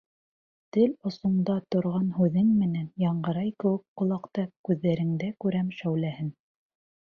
Тел осоңда торған һүҙең менән Яңғырай кеүек ҡолаҡта Күҙҙәреңдә күрәм шәүләһен.